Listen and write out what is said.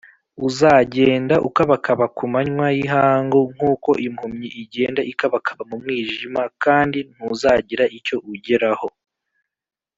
Uzagenda ukabakaba ku manywa y’ihangu nk’uko impumyi igenda ikabakaba mu mwijima, kandi ntuzagira icyo ugeraho.